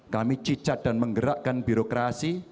kami cicat dan menggerakkan birokrasi